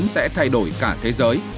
sẽ thay đổi cả thế giới